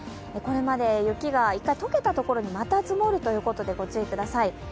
これまで雪がいったん解けたところにまた積もるということでご注意ください。